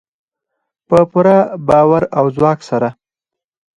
په پوره باور او ځواک سره.